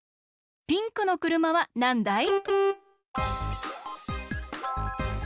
ピンクの車はなんだい？